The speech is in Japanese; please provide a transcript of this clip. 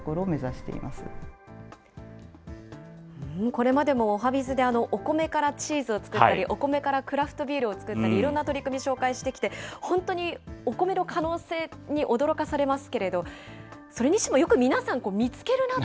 これまでもおはＢｉｚでお米からチーズを作ったり、お米からクラフトビールを造ったり、いろんな取り組み紹介してきて、本当にお米の可能性に驚かされますけれど、それにしてもよく本当ですね。